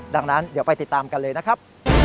ดังนั้นเดี๋ยวไปติดตามกันเลยนะครับ